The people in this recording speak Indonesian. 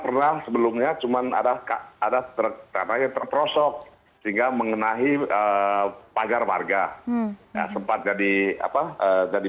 pernah sebelumnya cuman ada ada terkait prosok hingga mengenai pagar warga sempat jadi apa jadi